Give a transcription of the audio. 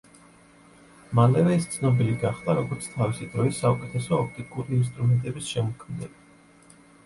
მალევე ის ცნობილი გახდა, როგორც თავისი დროის საუკეთესო ოპტიკური ინსტრუმენტების შემქმნელი.